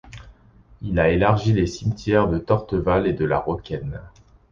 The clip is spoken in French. Il a élargi les cimetières de Torteval et de la Rocquaine.